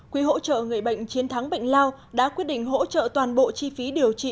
quỹ hỗ trợ người bệnh chiến thắng bệnh lào đã quyết định hỗ trợ toàn bộ chi phí điều trị